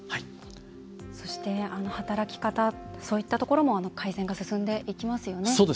そして、働き方そういったところも改善が進んでいきますよね。